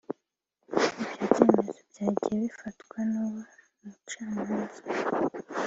Ibyo byemezo byagiye bifatwa n’uwo mucamanza